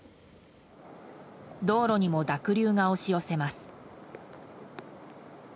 道路にも濁流が押し寄せます。